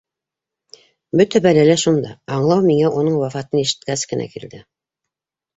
Бөтә бәлә лә шунда: аңлау миңә уның вафатын ишеткәс кенә килде.